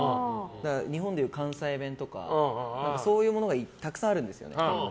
日本でいう関西弁とかそういうものがたくさんあるんですよね。